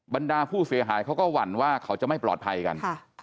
ดาผู้เสียหายเขาก็หวั่นว่าเขาจะไม่ปลอดภัยกัน